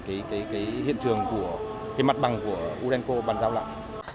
cái hiện trường của cái mặt bằng của urenco bàn giao lại